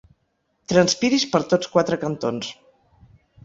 Transpiris per tots quatre cantons.